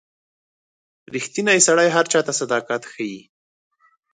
• ریښتینی سړی هر چاته صداقت ښيي.